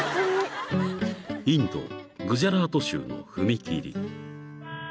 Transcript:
［インドグジャラート州の踏切］